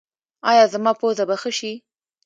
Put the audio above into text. ایا زما پوزه به ښه شي؟